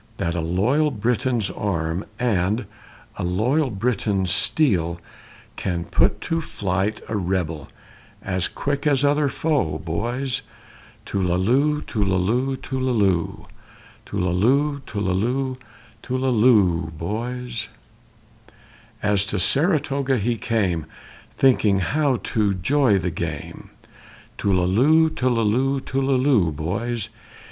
That a loyal Briton's arm, and a loyal Briton's steel, Can put to flight a rebel, as quick as other foe, boys! Tullalo, tullalo, tullalo, Tullalo, tullalo, tullalo o o o, boys! As to Sa ra tog' he came, thinking how to jo the game, Tullalo, tullalo, tullalo, boys!